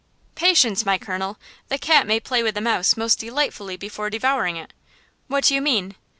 "Patience, my colonel! The cat may play with the mouse most delightfully before devouring it!" "What do you mean?"